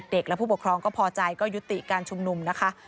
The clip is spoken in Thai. เด็กแล้วผู้ปกครองก็ปลอดภัยก็ยุติการชุมหนุม